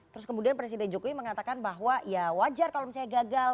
terus kemudian presiden jokowi mengatakan bahwa ya wajar kalau misalnya gagal